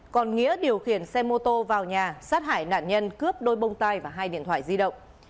còn nghĩa điều khiển xe mô tô vào nhà sát hại nạn nhân cướp đôi bông tai và hai điện thoại di động